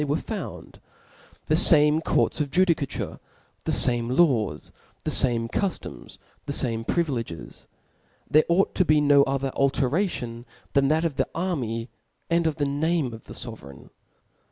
they were found } the fame court? qf ji^Jicatu^tf, the fame lawsi the fame cuftoms, the fame privi leges : there ought to be n^ o^^er alteration thaa that of the army and pf the n^me of the fovereign.